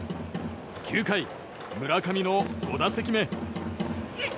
９回、村上の５打席目。